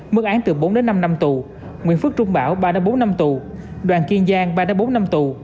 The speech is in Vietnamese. mức án từ bốn đến năm năm tù nguyễn phước trung bảo ba bốn năm tù đoàn kiên giang ba bốn năm tù